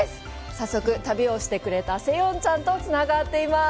早速、旅をしてくれたセヨンちゃんとつながっています。